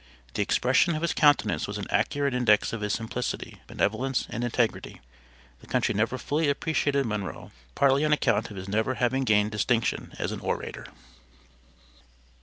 The expression of his countenance was an accurate index of his simplicity, benevolence, and integrity. The country never fully appreciated Monroe, partly on account of his never having gained distinction as an orator.